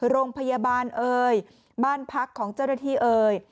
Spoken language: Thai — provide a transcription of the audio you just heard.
โรงพยาบาลเอ่ยบ้านพักของเจ้าหน้าที่เอ่ย